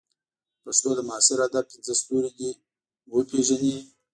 د پښتو د معاصر ادب پنځه ستوري دې وپېژني.